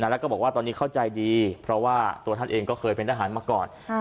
แล้วก็บอกว่าตอนนี้เข้าใจดีเพราะว่าตัวท่านเองก็เคยเป็นทหารมาก่อน